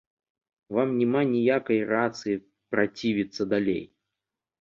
Вам няма ніякай рацыі працівіцца далей.